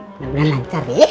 mudah mudahan lancar ya